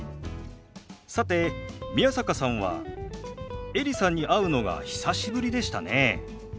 さて宮坂さんはエリさんに会うのが久しぶりでしたね。